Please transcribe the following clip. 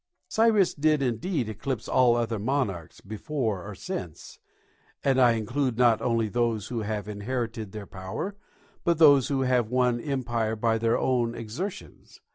Cyrus did indeed eclipse all other monarchs, before or since, and I include not only those who have inherited their power, but those who have won empire by their own exertions.